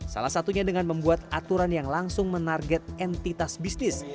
salah satunya dengan membuat aturan yang langsung menarget entitas bisnis